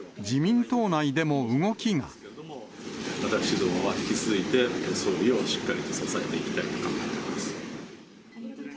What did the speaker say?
私どもは引き続いて、総理をしっかりと支えていきたいと考えております。